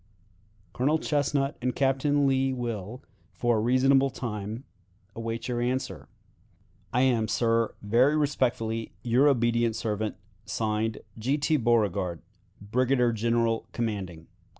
"Colonel Chesnut and Captain Lee will, for a reasonable time, await your answer. "I am, sir, very respectfully, your obedient servant, (Signed) "G. T. Beauregard, "Brigadier General commanding.